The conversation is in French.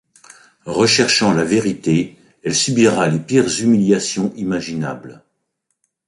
Recherchant la vérité, elle subira les pires humiliations imaginables.